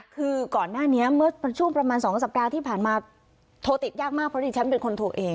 คือก่อนหน้านี้เมื่อช่วงประมาณ๒สัปดาห์ที่ผ่านมาโทรติดยากมากเพราะดิฉันเป็นคนโทรเอง